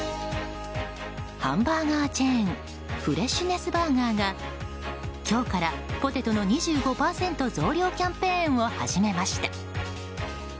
ハンバーガーチェーンフレッシュネスバーガーが今日からポテトの２５％増量キャンペーンを始めました。